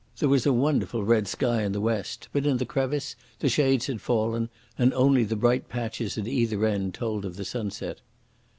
There was a wonderful red sky in the west, but in the crevice the shades had fallen, and only the bright patches at either end told of the sunset.